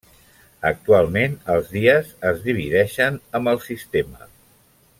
Actualment, els dies es divideixen amb el sistema.